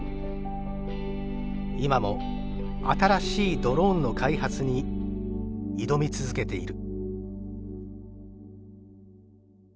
今も新しいドローンの開発に挑み続けている。